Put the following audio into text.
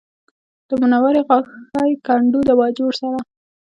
د منورې غاښی کنډو د باجوړ سره